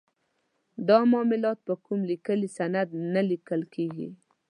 دا معاملات په کوم لیکلي سند نه لیکل کیږي.